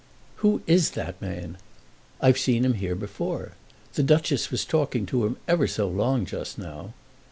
"Who is that man? I've seen him here before. The Duchess was talking to him ever so long just now."